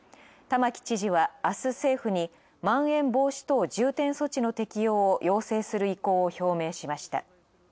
玉城知事は、あす政府に「まん延防止等重点措置」の適用を要請する意向を表明しました。